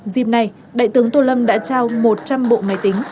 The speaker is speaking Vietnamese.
dịp này đại tướng tô lâm đã trao một trăm linh bộ máy tính